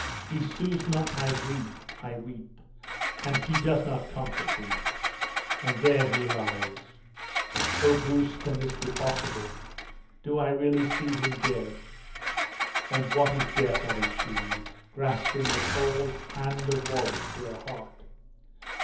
He soothes not my grief I weep, and he does not comfort me! And there he lies! O! Bruce, can this be possible? Do I really see him dead? And what is death?" added she, grasping the cold hand of Wallace to her heart.